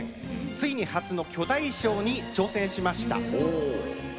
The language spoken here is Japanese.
ついに初の巨大衣装に挑戦しました。